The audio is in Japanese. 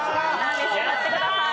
召し上がってください。